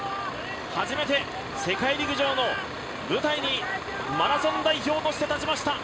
初めて世界陸上の舞台にマラソン代表として立ちました。